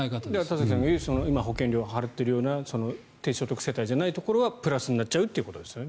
田崎さんが言う今、保険料を払っているような低所得世帯じゃないところはプラスになっちゃうということですよね。